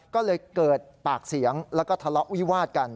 ก็เลยเกิดปากเสียงแล้วก็ทะเลาะวิวาดกัน